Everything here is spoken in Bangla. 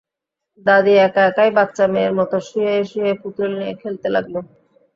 দাদি একা একাই বাচ্চা মেয়ের মতো শুয়ে শুয়ে পুতুল নিয়ে খেলতে লাগল।